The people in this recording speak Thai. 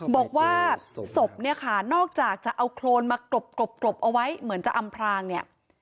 บอกว่าศพเนี่ยค่ะนอกจากจะเอาโครนมากรบเอาไว้เหมือนจะอำพรางเนี่ย